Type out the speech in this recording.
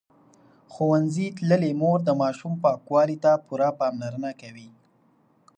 ښوونځې تللې مور د ماشوم پاکوالي ته پوره پاملرنه کوي.